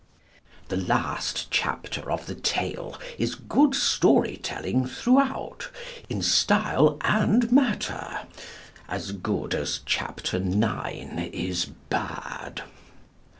" The last chapter of the tale is good story telling throughout, in style and matter as good as Chapter IX is bad.